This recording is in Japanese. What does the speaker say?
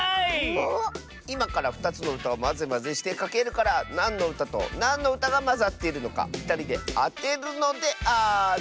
いまから２つのうたをマゼマゼしてかけるからなんのうたとなんのうたがまざっているのかふたりであてるのである！